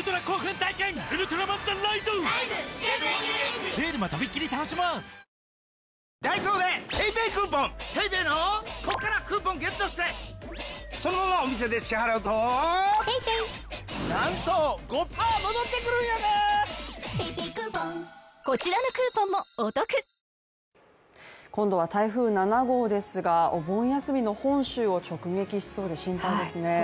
香りに驚くアサヒの「颯」今度は台風７号ですが、お盆休みの本州を直撃しそうで心配ですね。